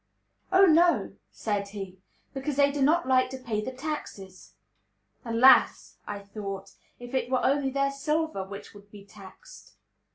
"Oh, no," said he; "because they do not like to pay the taxes!" "Alas!" I thought, "if it were only their silver which would be taxed!"